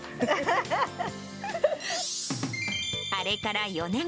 あれから４年。